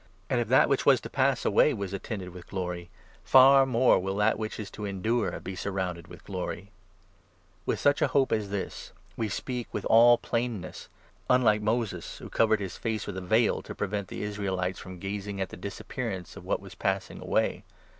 And, 1 1 if that which was to pass away was attended with glory, far more will that which is to endure be surrounded with glory ! With such a hope as this, we speak with all plainness ; 12 unlike Moses, who covered his face with a veil, to prevent 13 the Israelites from gazing at the disappearance of what was passing away.